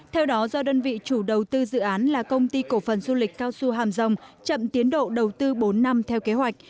theo đó do đơn vị chủ đầu tư dự án là công ty cổ phần du lịch cao su hàm rồng chậm tiến độ đầu tư bốn năm theo kế hoạch